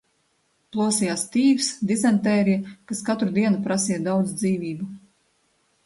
Plosījās tīfs, dizentērija, kas katru dienu prasīja daudz dzīvību.